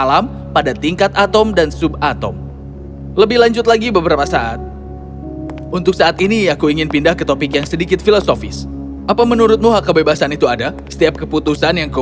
apakah kau pikir itu sudah ditentukan sebelumnya